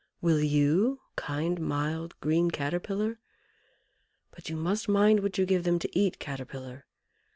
Will you, kind, mild, green Caterpillar? But you must mind what you give them to eat, Caterpillar!